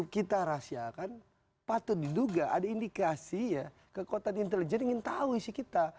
kita rahasiakan patut diduga ada indikasi ya kekuatan intelijen ingin tahu isi kita